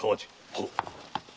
はっ。